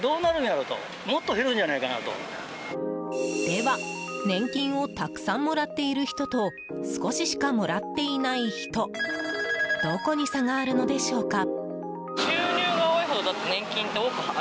では、年金をたくさんもらっている人と少ししかもらっていない人どこに差があるのでしょうか。